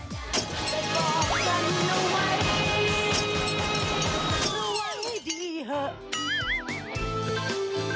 สวัสดิ์ให้ดีเถอะ